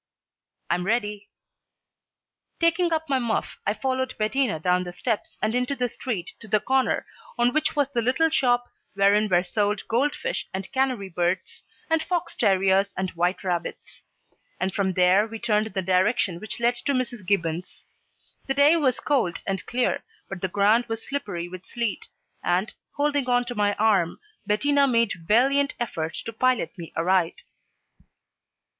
"I'm ready." Taking up my muff, I followed Bettina down the steps and into the street to the corner, on which was the little shop wherein were sold goldfish and canary birds, and fox terriers and white rabbits; and from there we turned in the direction which led to Mrs. Gibbons's. The day was cold and clear, but the ground was slippery with sleet, and, holding on to my arm, Bettina made valiant effort to pilot me aright.